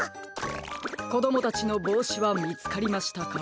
こどもたちのぼうしはみつかりましたか？